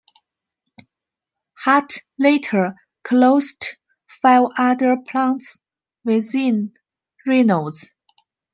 Hart later closed five other plants within Reynolds.